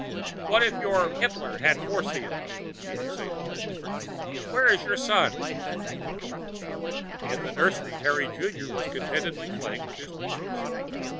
What if your Hitler had force fields?" He exhaled. "Where is your son?" In the nursery, Harry Junior was contentedly playing with his blocks.